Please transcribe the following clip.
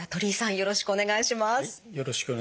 よろしくお願いします。